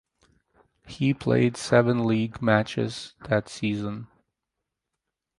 He played seven league matches that season.